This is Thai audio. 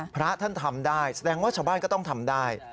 พระท่านทำได้แสดงว่าชาวบ้านก็ต้องทำได้